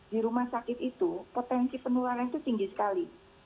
di rumah sakit itu potensi penularan itu tinggi sekali